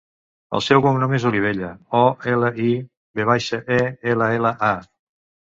El seu cognom és Olivella: o, ela, i, ve baixa, e, ela, ela, a.